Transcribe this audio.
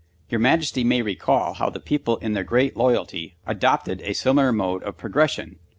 Your Majesty may recall how the people in their great loyalty adopted a similar mode of progression.